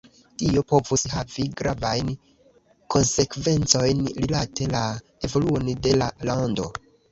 Tio povus havi gravajn konsekvencojn rilate la evoluon de la lando.